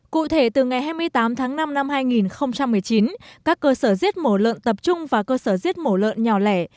cụ thể từ ngày hai mươi tám tháng năm năm hai nghìn một mươi chín các cơ sở giết mổ lợn tập trung và cơ sở giết mổ lợn nhỏ lẻ